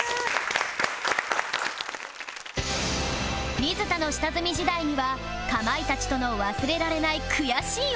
水田の下積み時代にはかまいたちとの忘れられない悔しい思い出が